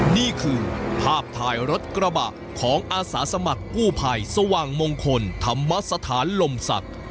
นี่คือภาพถ่ายรถกระบะของอาสาสมัครกู้ภัยสว่างมงคลธรรมสถานลมศักดิ์